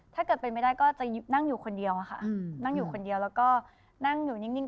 ถ้าเกิดเป็นไม่ได้ก็จะนั่งอยู่คนเดียวค่ะนั่งอยู่คนเดียวแล้วก็นั่งอยู่นิ่ง